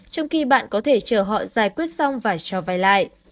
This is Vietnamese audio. trong khi bạn có thể chờ họ giải quyết xong và cho vay lại